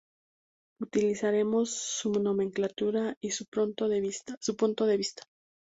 Utilizaremos su nomenclatura y su punto de vista.